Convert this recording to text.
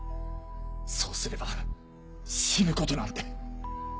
そうすれば死ぬことなんて。